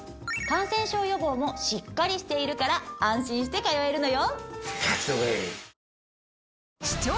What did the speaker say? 感染症予防もしっかりしているから安心して通えるのよ！